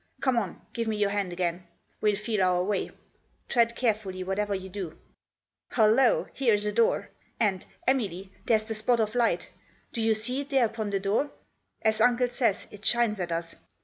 Come on ; give me your hand again ; we'll feel our way — tread carefully whatever you do. Hollo ! here is a door. And — Emily, there's the spot of light ! Do you see it there upon the door ? As uncle says, it shines at us.